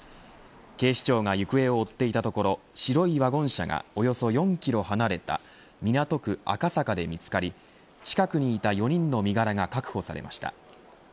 警視庁が行方を追っていたところ白いワゴン車がおよそ４キロ離れた港区赤坂で見つかり近くにいた４人の身柄が確保されました。